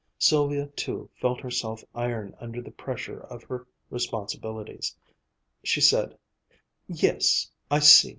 Sylvia too felt herself iron under the pressure of her responsibilities. She said: "Yes, I see.